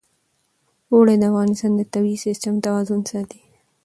اوړي د افغانستان د طبعي سیسټم توازن ساتي.